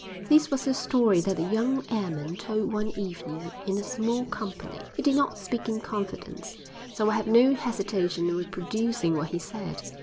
This was the story that the young airman told one evening in a small company. He did not speak "in confidence," so I have no hesitation in reproducing what he said.